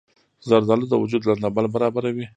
زردالو د وجود لندبل برابروي.